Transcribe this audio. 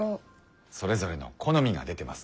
それぞれの好みが出てますね。